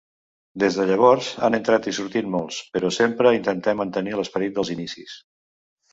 Des de llavors, han entrat i sortit molts, però sempre intentem mantenir l'esperit dels inicis.